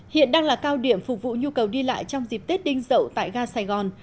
hiện đang là cao điểm phục vụ nhu cầu đi lại trong dịp tết đinh dậu tại ga sài gòn